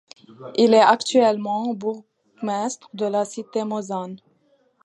Il est actuellement bourgmestre de la cité mosane.